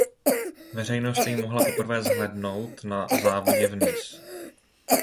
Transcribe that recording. Veřejnost jej mohla poprvé zhlédnout na závodě v Nice.